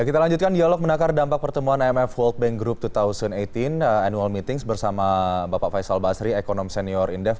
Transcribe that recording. kita lanjutkan dialog menakar dampak pertemuan imf world bank group dua ribu delapan belas annual meetings bersama bapak faisal basri ekonom senior indef